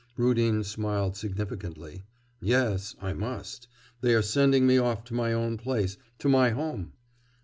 Rudin smiled significantly. 'Yes, I must. They are sending me off to my own place, to my home.